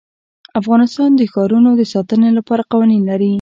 افغانستان د ښارونو د ساتنې لپاره قوانین لري.